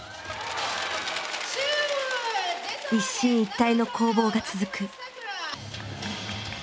一進一退の攻防が続く。